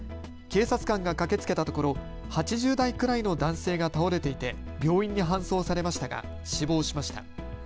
警察官が駆けつけたところ８０代くらいの男性が倒れていて病院に搬送されましたが死亡しました。